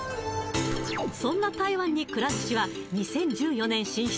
そんな台湾にくら寿司は２０１４年進出